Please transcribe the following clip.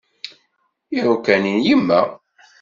Iruka-nni n yemma.